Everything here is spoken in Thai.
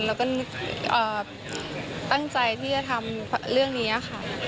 แล้วก็ตั้งใจที่จะทำเรื่องนี้ค่ะ